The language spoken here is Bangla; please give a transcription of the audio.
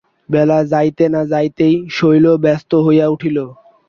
বেলা যাইতে না যাইতেই শৈল ব্যস্ত হইয়া উঠিল।